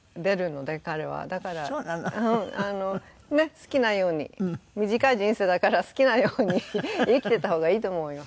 好きなように短い人生だから好きなように生きてた方がいいと思います。